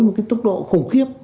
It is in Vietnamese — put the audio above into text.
một cái tốc độ khủng khiếp